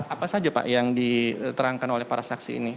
apa saja pak yang diterangkan oleh para saksi ini